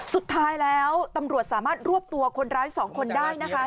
สุดท้ายแล้วตำรวจสามารถรวบตัวคนร้าย๒คนได้นะคะ